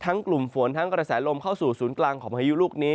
กลุ่มฝนทั้งกระแสลมเข้าสู่ศูนย์กลางของพายุลูกนี้